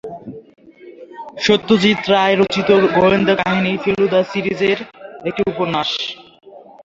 সত্যজিৎ রায় রচিত গোয়েন্দা কাহিনী ফেলুদা সিরিজের একটি উপন্যাস।